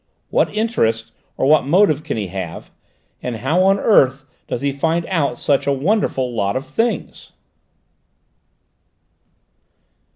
What interest or what motive can he have? And how on earth does he find out such a wonderful lot of things?"